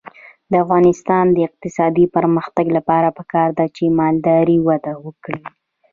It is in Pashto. د افغانستان د اقتصادي پرمختګ لپاره پکار ده چې مالداري وده وکړي.